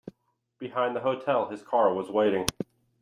Behind the hotel his car was waiting.